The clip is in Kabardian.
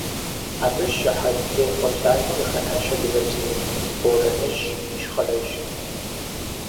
Абы щыхьэт техъуэ псалъэ къыхэнащ адыгэбзэми – «борэныжь», ищхъэрэжь.